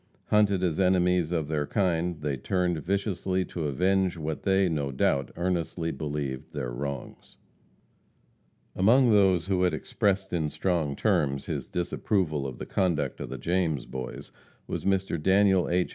Hunted as enemies of their kind, they turned viciously to avenge what they, no doubt, earnestly believed their wrongs. Among those who had expressed in strong terms his disapproval of the conduct of the James Boys, was Mr. Daniel H.